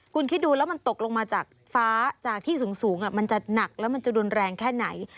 คุณคิดดูแล้วมันตกลงมาจากฟ้าจากที่สูงมันจะหนักแล้วมันจะรุนแรงแค่ไหน